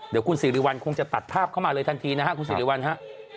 เดี๋ยวคุณสิริวัลคงจะตัดภาพเข้ามาเลยทันทีนะฮะคุณสิริวัลฮะ